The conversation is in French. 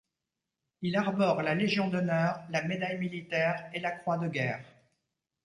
Il arbore la Légion d'honneur, la Médaille militaire, et la Croix de guerre.